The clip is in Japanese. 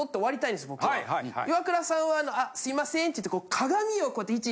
イワクラさんは「あっすいません」って言って。